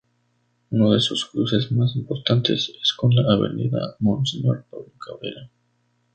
Uno de sus cruces más importantes es con la avenida Monseñor Pablo Cabrera.